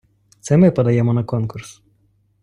Це ми подаємо на конкурс.